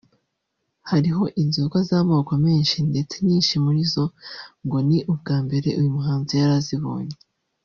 hariho inzoga z’amoko menshi ndetse nyinshi muri zo ngo ni ubwa mbere uyu muhanzi yari azibonye